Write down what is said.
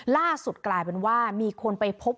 ล่าสุดกลายเป็นว่ามีคนไปพบ